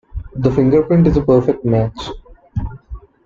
The fingerprint is a perfect match.